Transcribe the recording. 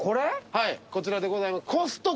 はいこちらでございます。